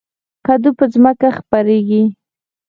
کدو په ځمکه خپریږي